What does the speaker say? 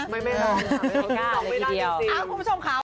ไม่ร้องไม่ได้จริงคุณผู้ชมครับ